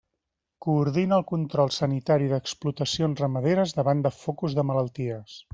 Coordina el control sanitari d'explotacions ramaderes davant de focus de malalties.